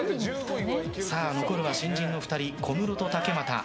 残るは新人の２人、小室と竹俣。